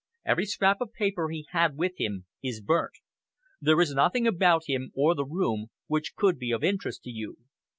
Every scrap of paper he had with him is burnt. There is nothing about him or the room which could be of interest to you.